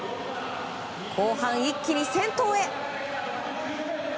後半、一気に先頭へ。